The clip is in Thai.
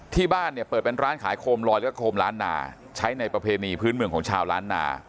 ที่บ้านเนี่ยเปิดเป็นร้านขายโคมลอยแล้วก็โคมล้านนาใช้ในประเพณีพื้นเมืองของชาวล้านนา